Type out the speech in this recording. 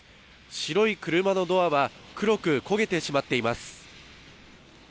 白い車のドアは黒く焦げてしまっています。